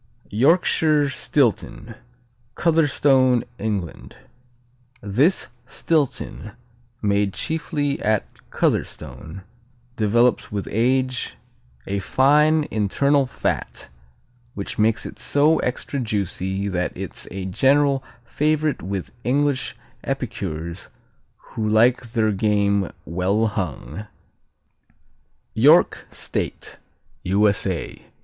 Yorkshire Stilton Cotherstone, England This Stilton, made chiefly at Cotherstone, develops with age a fine internal fat which makes it so extra juicy that it's a general favorite with English epicures who like their game well hung. York State _U.S.A.